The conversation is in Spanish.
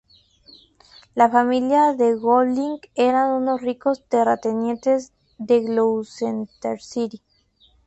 La familia de Goulding eran unos ricos terratenientes de Gloucestershire.